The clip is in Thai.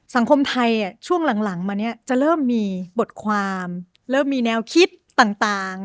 สังคมไทยช่วงหลังมาเนี่ยจะเริ่มมีบทความเริ่มมีแนวคิดต่าง